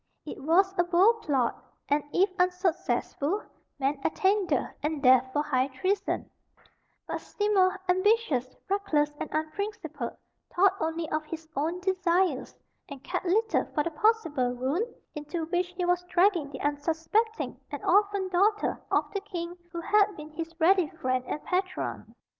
It was a bold plot, and, if unsuccessful, meant attainder and death for high treason; but Seymour, ambitious, reckless, and unprincipled, thought only of his own desires, and cared little for the possible ruin into which he was dragging the unsuspecting and orphaned daughter of the king who had been his ready friend and patron.